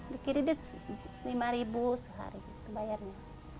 dekir dia lima ribu sehari bayarnya